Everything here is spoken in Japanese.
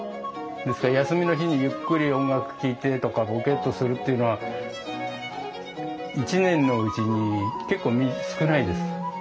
ですから休みの日にゆっくり音楽聴いてとかボケッとするっていうのは一年のうちに結構少ないです。